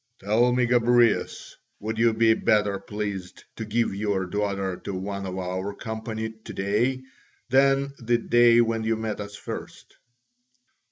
"Tell me, Gobryas, would you be better pleased to give your daughter to one of our company to day than the day when you met us first?"